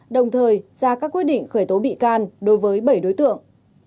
đồng thời ra các quyết định khởi tố bị can đối với bảy đối tượng